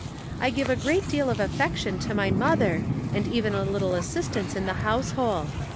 I give a great deal of affection to my mother and even a little assistance in the household.